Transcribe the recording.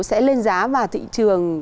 sẽ lên giá và thị trường